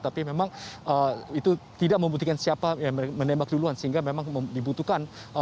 tapi memang itu tidak membuktikan siapa yang menembak duluan sehingga memang dibutuhkan